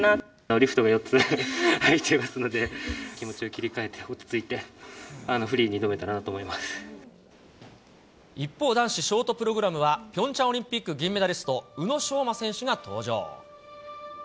リフトが４つ入ってますので、気持ちを切り替えて、落ち着いて、一方、男子ショートプログラムはピョンチャンオリンピック銀メダリスト、宇野昌磨選手が登場。